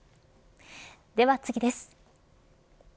では次です。